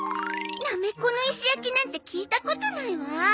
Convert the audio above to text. なめこの石焼きなんて聞いたことないわ。